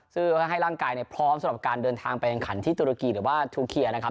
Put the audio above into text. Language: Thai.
ซึ่งเพื่อให้ร่างกายพร้อมสำหรับการเดินทางไปแข่งขันที่ตุรกีหรือว่าทูเคียนะครับ